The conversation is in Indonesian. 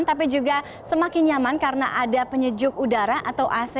tapi juga semakin nyaman karena ada penyejuk udara atau ac